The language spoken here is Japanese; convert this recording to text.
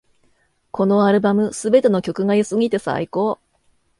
このアルバム、すべての曲が良すぎて最高